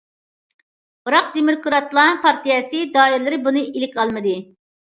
بىراق دېموكراتلار پارتىيەسى دائىرىلىرى بۇنى ئىلىك ئالمىدى.